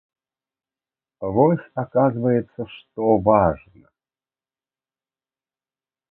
Вось, аказваецца, што важна.